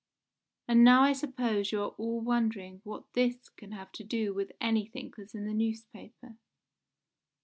"And now I suppose you are all wondering what this can have to do with anything that's in the newspaper.